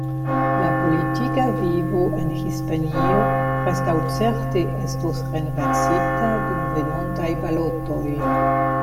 La politika vivo en Hispanio preskaŭ certe estos renversita dum venontaj balotoj.